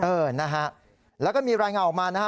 เออนะฮะแล้วก็มีรายงานออกมานะฮะ